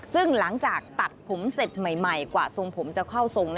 ซึ่งหลังจากตัดผมเสร็จใหม่กว่าทรงผมจะเข้าทรง